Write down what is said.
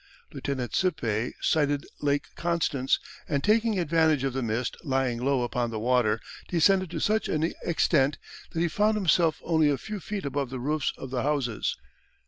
Lieutenant Sippe sighted Lake Constance, and taking advantage of the mist lying low upon the water, descended to such an extent that he found himself only a few feet above the roofs of the houses.